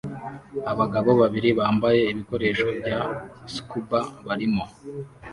Abagabo babiri bambaye ibikoresho bya scuba barimo